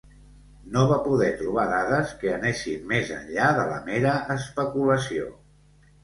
No va poder trobar dades que anessin més enllà de la mera especulació.